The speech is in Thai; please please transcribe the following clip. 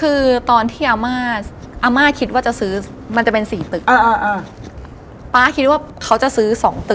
คือตอนที่อำมาอำมาคิดว่าจะซื้อมันจะเป็น๔ตึกพาคิดว่าเขาจะซื้อ๒ตึก